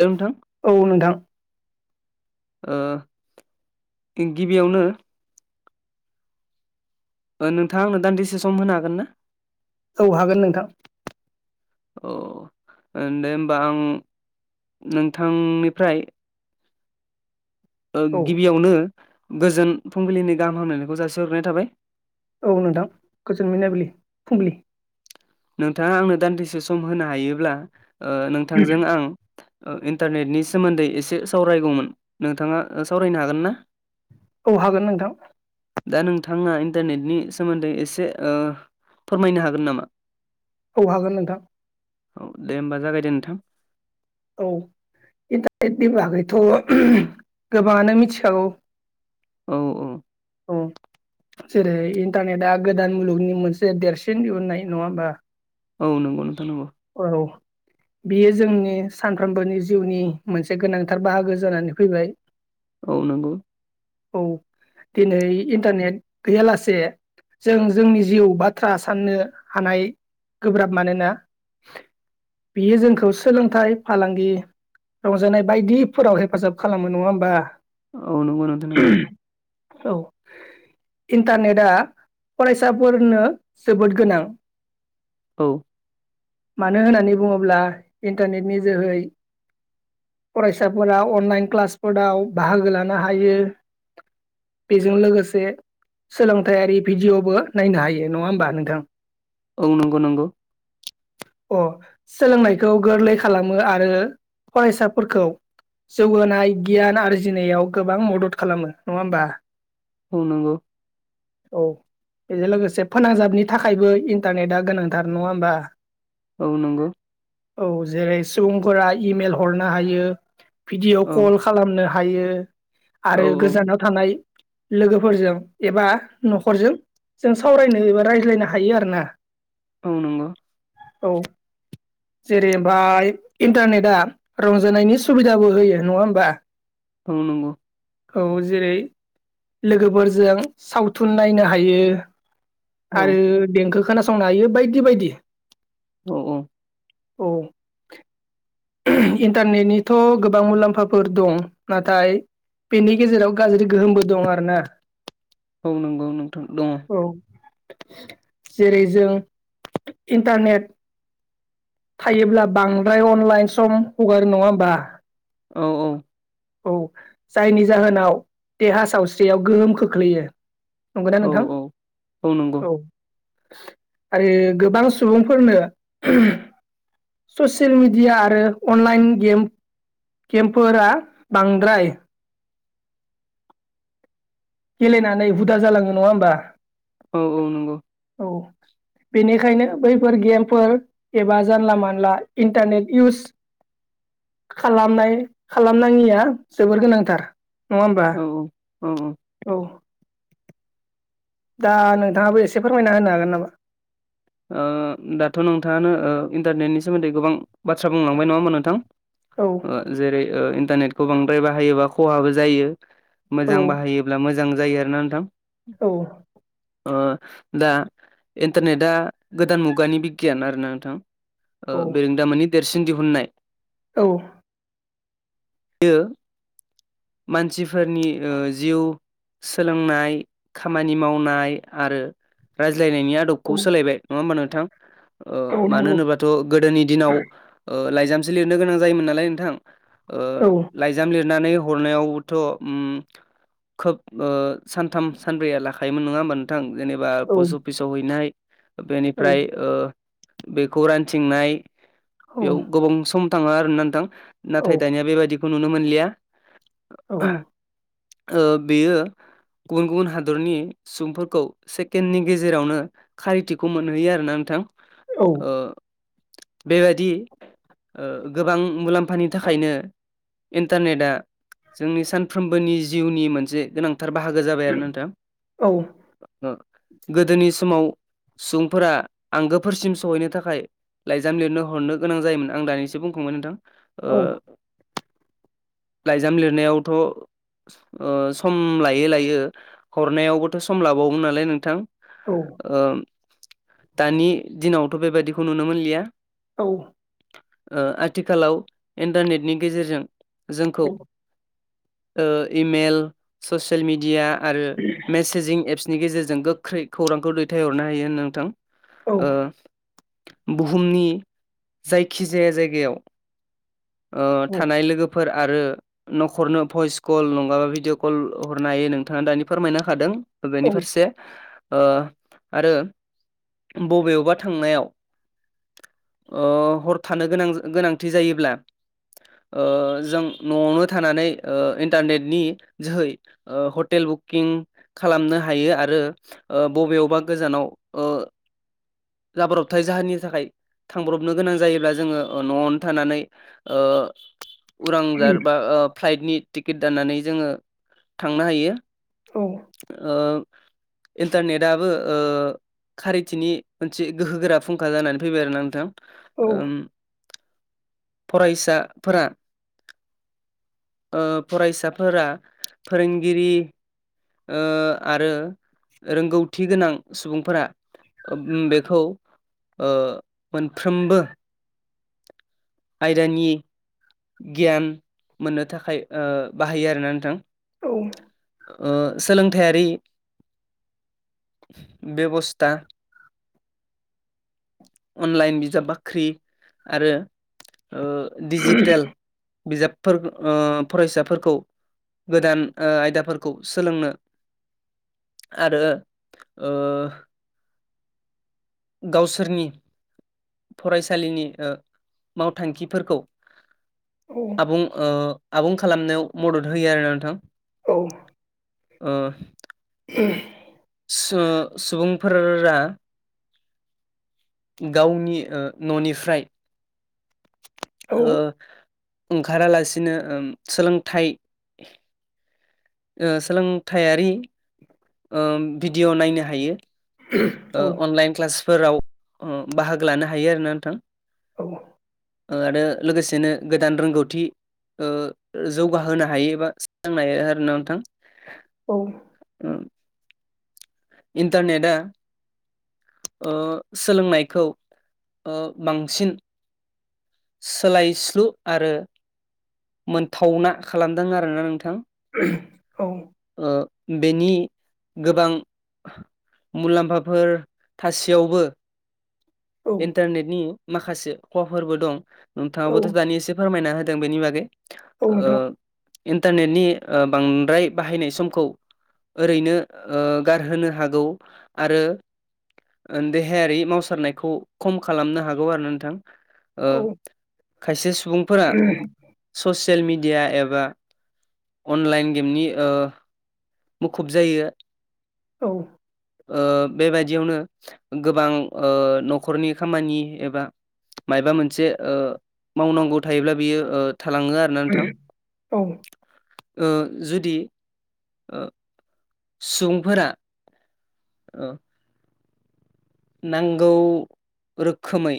Hello नोंथां औ नोंथां। ओ गिबियावनो नोंथांङा आंनो दान्दिसे सम होनो हागोन ना? औ हागोन नोंथां। अ ओ दे होमबा आं नोंथांनिफ्राय ओ औ गिबियावनो गोजोन फुंबिलिनि गाहाम हामनायखौ जासिहरग्रोनाय थाबाय। औ नोंथां गोजोन मोनाबिलि फुंबिलि नोंथाङा आंनो दान्दिसे सम होनो हायोब्ला ओ नोंथांजों आं औ इन्टारनेटनि सोमोन्दै एसे सावरायगौमोन। नोंथाङा सावरायनो हागोन ना? औ हागोन नोंथां। दा नोंथाङा इन्टारनेटनि सोमोन्दै एसे ओ‌ फोरमायनो हागोन नामा? औ हागोन नोंथां। औ दे होमबा जागायदो नोंथां औ इन्टारनेट नि बागैथ' ओम गोबाङानो मिथिखागौ। औ औ औ जेरै- इन्टारनेटआ गोदान मुलुगनि मोनसे देरसिन दिहुननाय नङा होमबा औ नंगौ नोंथां नंगौ औ बियो जोंनि सानफ्रोमबोनि जिउनि मोनसे गोनांथार बाहागो जानानै फैबाय औ नंगौ औ दिनै इन्टारनेट गैयालासे जों-जोंनि जिउ बाथ्रा साननो हानाय गोब्राब मानोना [inaudible] बियो जोंखौ सोलोंथाइ फालांगि रंजानाय बायदिफोराव हेफाजाब खालामो नङा होमबा औ नंगौ नोंथां नंगौ औ इन्टारनेटआ फरायसाफोरनो जोबोद गोनां औ मानो होननानै बुङोब्ला इन्टारनेटनि जोहै फरायसाफोरा अनलाइन क्लासफोराव बाहागो लानो हायो। बेजों लोगोसे सोलोंथायारि भिडिअ'बो नायनो हायो नङा होमबा नोंथां औ नंगौ नंगौ। अ सोलोंनायखौ गोरलै खालामो आरो फरायसाफोरखौ जौगानाय गियान आर्जिनायाव गोबां मदद खालामो नङा होमबा? औ नंगौ। औ बेजों लोगोसे फोनांजाबनि थाखायबो इन्टारनेटा गोनांथार नङा होमबा? औ नंगौ। औ जेरै सुबुंफोरा इमेल हरनो हायो भिडिअ औ कल खालामनो हायो औ आरो औ गोजानाव थानाय लोगोफोरजों एबा न'खरजों जों सावरायनो एबा रायज्लायनो हायो आरोना। औ नंगौ। औ। जेरै ओमफाय इन्टारनेटआ रंजानायनि सुबिदाबो होयो नङा होमबा? औ नंगौ। औ जेरै लोगोफोरजों सावथुन नायनो हायो। औ आरो देंखो खोनासंनो हायो बायदि बायदि। औ औ। औ। इन्टारनेटनिथ' गोबां मुलाम्फाफोर दं नाथाय बेनि गेजेराव गाज्रि गोहोमबो दं आरोना। औ नंगौ नोंथां दङ। औ जेरै जों इन्टारनेट थायोब्ला बांद्राय अनलाइन सम हगारो नङा होमबा? औ औ। औ जायनि जाहोनाव देहा सावस्रियाव गोहोम खोख्लैयो। नंगौना औ नोंथां औ औ। आरो गोबां सुबुंफोरनो ससियेल मिडिया आरो अनलाइन गेम-गेमफोरा बांद्राय गेलेनानै हुदा जालाङो नङा होमबा? औ औ नंगौ। औ। बेनिखायनो बैफोर गेमफोर एबा जानला मोनला इन्टारनेट इउस [inaudible] खालामनाय खालामनाङिया जोबोर गोनांथार नङा होमबा औ औ औ औ। औ दा नोंथाङाबो एसे फोरमायना होनो हागोन नामा? ओ दाथ नोंथाङानो ओ इन्टारनेटनि सोमोन्दै गोबां बाथ्रा बुंलांबाय नङा होमबा नोंथां। औ ओ जेरै ओ इन्टारनेटखौ बांद्राय बाहायोबा खहाबो जायो। मोजां बाहायोब्ला मोजां जायो आरोना नोंथां ओ दा इन्टारनेटआ गोदान मुगानि बिगियान आरोना नोंथां। औ ओ बेरोंदामोननि देरसिन दिहुननाय औ। बियो मानसिफोरनि ओ जिउ सोलोंनाय खामानि मावनाय आरो राय ज्लायनायनि औ आदबखौ सोलायबाय नङा होमबा नोंथां? ओ औ मानो नंगौ होनोबाथ गोदोनि दिनाव ओ लाइजामसो लिरनो गोनां जायोमोन नालाय नोंथां ओ औ लाइजाम लिर नानै हरनायावबोथ उम्म खोब ओ सानथाम सानब्रैया ला खायोमोन नङा होमबा नोंथां जेनेबा औ पस्ट अफिसाव हैनाय हाय औ बेनिफ्राय ओ बेखौ रानथिंनाय औ बेयाव गोबां सम थाङो आरो ना नोंथां औ नाथाय औ दानिया बेबायदिखौ नुनो मोनलिया औ ओ बियो गुबुन गुबुन हादरनि सुबुंफोरखौ सेकेण्डनि गेजेरावनो खारिथि खौ मोनहैयो आरोना नोंथां ओ बेबादि ओ गोबां मुलाम्फानि थाखायनो इन्टारनेटआ जोंनि सानफ्रोमबोनि जिउनि मोनसे गोनां थार बाहागो जाबाय आरोना नोंथां गोदोनि समाव सुबुंफोरा आंगोफोरसिम सौहैनो थाखाय लाइजाम लिरनो हरनो गोनां जायोमोन आं दानिसो बुंखांबाय नोंथां ओ लाइजाम लिरनायावथ' ओ सम लायो लायो हरनायावबोथ सम लाबावगोन नालाय नोंथां ओम दानि दिनावथ बेबायदिखौ नुनो मोनलिया औ ओ आथिखालाव इन्टारनेटनि गेजेरजों जोंखौ ओ इमेल ससियेल मिडिया आरो मेसेजिं एप्स नि गेजेरजों गोख्रै खौरांखौ दैथायहरनो हायो नोंथां ओ बुहुमनि जायखिजाया जायगायाव ओ औ औ थानाय लोगोफोर आरो नखरनो भइस कल नङाबा भिडिअ कल हरनो हायो नोंथाङा दानि फोरमायना हाखादों बेनि फारसे ओ आरो बबेयावबा थांनायाव ओ हर थानो गोनां गोनांथि जायोब्ला ओ जों नआवनो थानानै ओ इन्टारनेटनि जोहै ओ हटेल बुकिं खालामनो हायो आरो ओ बबेयावबा गोजानाव ओ जाब्रबथाय जाहोननि थाखाय थांब्रबनो गोनां जायोब्ला जोङो नआवनो थानानै ओ उरांजार बा ओ फ्लाइटनि टिकेट दाननानै जोङो थांनो हायो ओ इन्टारनेटयाबो ओ खारिथिनि मोनसे गोहोगोरा फुंखा जानानै फैबाय आरोना नोंथां ओम फरायसा फोरा ओ फरायसाफोरा फोरोंगिरि ओ आरो रोंगौथि गोनां सुबुंफोरा ओ बेखौ मोनफ्रोमबो आयदानि गियान मोननो थाखाय बाहायो आरोना नोंथां ओ सोलों थायआरि बेबस्था अनलाइन बिजाब बाख्रि आरो ओ दिजिटेल बिजाबफोर फरायसाफोरखौ गोदान आयदाफोरखौ सोलोंनो आरो ओ गावसोरनि फरायसालिनि ओ मावथांखिफोरखौ आबुं ओ आबुं खालामनायाव मदद होयो आरो नोंथां औ ओ सुबुंफोरा गावनि ओ न'निफ्राय ओ ओंखारा लासिनो सोलोंथाइ ओ सोलोंथायारि भिडिअ' नायनो हायो अनलाइन क्लासफोराव बाहागो लानो हायो आरोना नोंथां आरो लोगोसेनो गोदान रोंगौथि ओ जौगाहोनो हायो बा सोलोंनो हायो आरो ना नोंथां। औ इन्टारनेटआ ओ सोलोंनायखौ ओ बांसिन सोलायस्लु आरो मोनथावना खालामदों आरोना नोंथां। औ ओ बेनि गोबां मुलाम्फाफोर थासेयावबो इन्टारनेटनि माखासे खहाफोरबो दं नोंथाङाबोथ' दानि एसे फोरमायना होदों बेनि बागै। ओ नोंथां इन्टारनेटनि ओ बांद्राय बाहायनाय समखौ ओरैनो ओ गारहोनो हागौ आरो देहायारि मावसारनायखौ खम खालामनो हागौ आरोना नोंथां। ओ औ खायसे सुबुंफोरा औ सस ससियेल मिडिया एबा अनलाइन गेमनि ओ मुखुब जायो। औ ओ बेबाददियावनो गोबां ओ न'खरनि खामानि एबा मायबा मोनसे ओ मावनांगौ थायोब्ला बियो ओ थालाङो आरोना नोंथां। औ ओ जुदि सुबुंफोरा औ नांगौ रोखोमै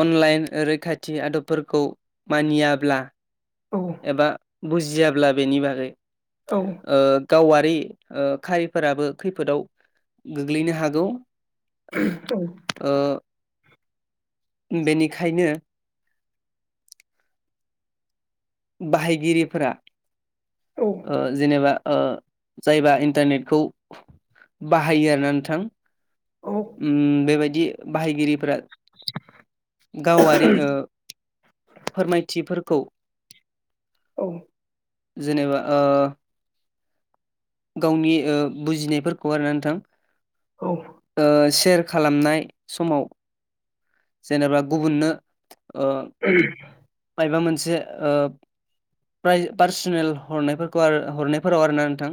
अनलाइन रैखाथि आदबफोरखौ मानियाब्ला एबा बुजियाब्ला बेनि बागै ओ गावारि ओ खारिफोराबो खैफोदाव गोग्लैनो हागौ। औ ओ बेनिखायनो बाहायगिरिफोरा ओ जेनेबा ओ जायबा इन्टारनेटखौ बाहायो आरोना नोंथां उम बेबायदि बाहायगिरिफोरा गावारि ओ फोरमायथिफोरखौ औ जेनेबा ओ गावनि ओ बुजिनायफोरखौ आरो ना नोंथां ओ सेर खालामनाय समाव जेनेबा गुबुननो ओ मायबा मोनसे ओ प्राय पार्सनेल हरनायफोरखौ आरो हरनायफोराव आरोना नोंथां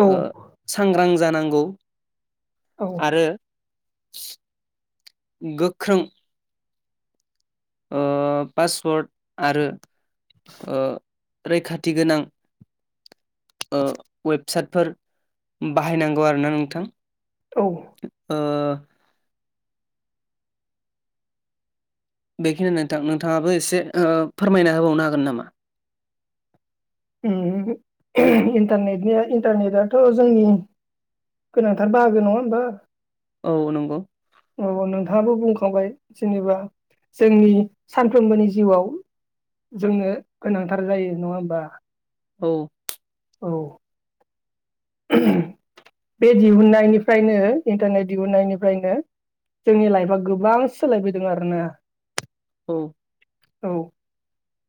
औ ओं सांग्रां जानांगौ औ औ आरो गोख्रों ओ पासवर्ड आरो ओ रैखाथि गोनां ओ वेबसाइटफोर बाहायनांगौ आरोना नोंथां। औ ओ बेखिनि नोंथां नोंथाङाबो एसे ओ फोरमायना होबावनो हागोन नामा? उम इन्टारनेटनिया इन्टारनेटआथ' जोंनि गोनांथार बाहागो नङा होमबा? औ नंगौ। औ नोंथाङाबो बुंखांबाय जेनेबा जोंनि सानफ्रोमबोनि जिउआव जोंनो गोनांथार जायो नङा होमबा? औ औ [inaudible] बे दिहुननायनिफ्रायनो इन्टारनेट दिहुननायनिफ्रायनो जोंनि लाइफआ गोबां सोलायबोदों आरोना औ औ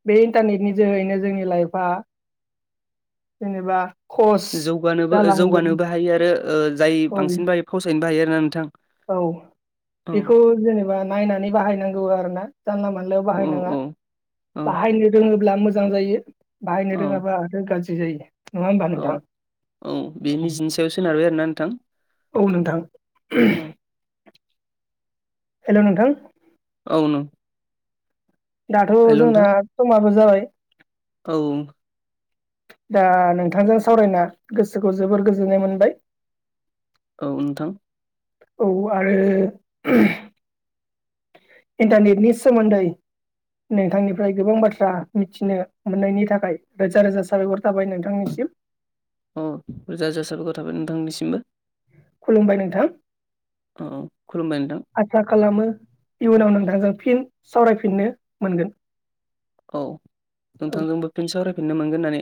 बे इन्टारनेटनि जोहैनो जोंनि लाइफआ जेनेबा खस नोबो जालांदों जौगानोबो हायो आरो ओ जाय औ बांसिन बायो फावसायनोबो हायो आरोना नोंथां औ औ बेखौ जेनेबा नायनानै बाहायनांगौ आरो ना जानला मोनलायाव औ बाहायनाङा औ औ बाहायनो रोङोब्ला मोजां जायो। बाहायनो औ रोङाबा आरो गाज्रि जायो। नङा होमबा औ नोंथां औ बे निजिनि सायाव सोनारबाय आरोना नोंथां औ नोंथां औ हेलौ नोंथां औ नों दाथ' हेल' जोंना नोंथां समाबो जाबाय औ दा नोंथांजों सावरायना गोसोखौ जोबोर गोजोननाय मोनबाय औ नोंथां औ आरो इन्टारनेटनि सोमोन्दै नोंथांनिफ्राय गोबां बाथ्रा मिथिनो मोननायनि थाखाय रोजा रोजा साबायखर थाबाय नोंथांनि [unintelligible] अ रोजा रोजा साबायखर थाबाय नोंथांनिसिमबो। खुलुमबाय नोंथां अ अ खुलुमबाय नोंथां आसा खालामो इयुनाव नोंथांजों फिन सावरायफिननो मोनगोन औ औ नोंथांजोंबो फिन सावरायफिननो मोनगोन होननानै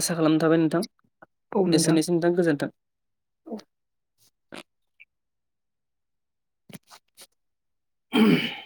आसा खालामना थाबाय नोंथां एसेनोसै नोंथां गोजोन्थों [inaudible]